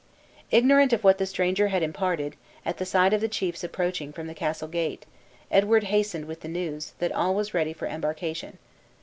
Ignorant of what the stranger had imparted, at the sight of the chiefs approaching from the castle gate, Edward hastened with the news, that all was ready for embarkation.